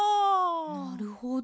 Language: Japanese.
なるほど。